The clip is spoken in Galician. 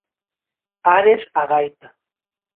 Ares á gaita.